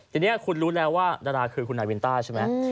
ทีนี้คุณรู้แล้วว่าดาราคือคุณนาวินต้าใช่ไหม